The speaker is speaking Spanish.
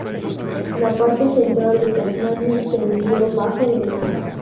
La parte central de Tasmania se hundió bajo del mar.